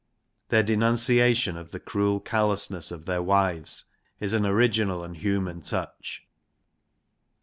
Their denunciation of the cruel callousness of their wives is an original and human touch.